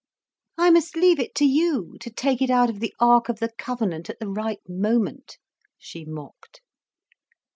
"I must leave it to you, to take it out of the Ark of the Covenant at the right moment," she mocked.